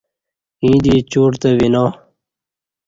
ییں دی چرتہ وینا